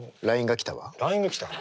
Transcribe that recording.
ＬＩＮＥが来た？